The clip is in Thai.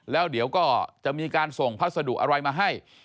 แล้วเดี๋ยวก็จะมีการส่งพัสดุอะไรมาให้